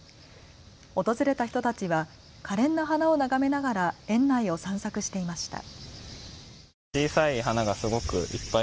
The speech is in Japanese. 訪れた人たちはかれんな花を眺めながら園内を散策していました。